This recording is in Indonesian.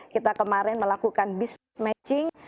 kita kemarin melakukan business matching